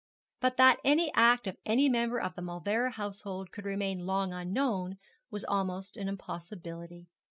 But that any act of any member of the Mauleverer household could remain long unknown was almost an impossibility.